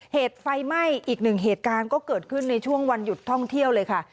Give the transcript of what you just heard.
เหตุไฟไหม้อีกหนึ่งเหตุการณ์ก็เกิดขึ้นในช่วงวันหยุดท่องเที่ยวเลยค่ะ